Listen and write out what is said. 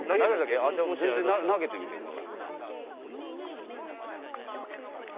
投げてみて、これ。